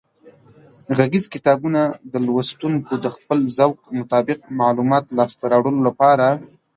غږیز کتابونه د لوستونکو د خپل ذوق مطابق معلوماتو لاسته راوړلو لپاره